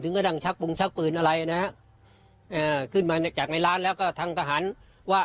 กระทั่งชักปรุงชักปืนอะไรนะฮะอ่าขึ้นมาจากในร้านแล้วก็ทางทหารว่า